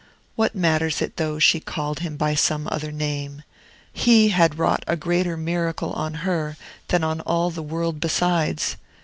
What matters it though she called him by some other name? He had wrought a greater miracle on her than on all the world besides.